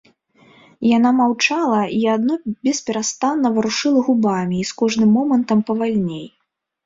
Яна маўчала і адно бесперастанна варушыла губамі і з кожным момантам павальней.